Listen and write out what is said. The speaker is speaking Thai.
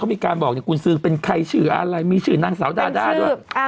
เขามีการบอกกุญสื่นางสาวดาดา